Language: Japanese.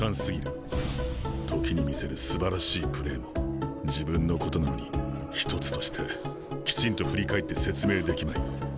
時に見せるすばらしいプレーも自分のことなのに一つとしてきちんと振り返って説明できまい。